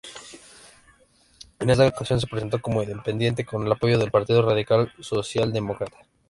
En esta ocasión se presentó como independiente con apoyo del Partido Radical Socialdemócrata.